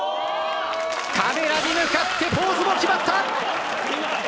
カメラに向かってポーズも決まった。